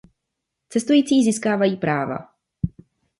Cestující získávají práva.